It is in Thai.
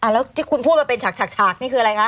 แล้วที่คุณพูดมาเป็นฉากนี่คืออะไรคะ